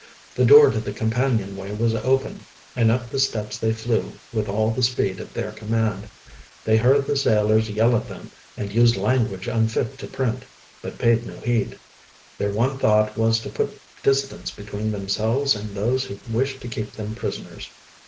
The door to the companion way was open, and up the steps they flew with all the speed at their command. They heard the sailors yell at them and use language unfit to print, but paid no heed. Their one thought was to put distance between themselves and those who wished to keep them prisoners.